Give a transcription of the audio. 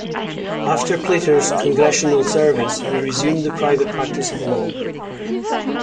After Plater's congressional service he resumed the private practice of law.